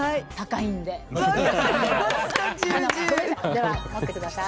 では持ってください。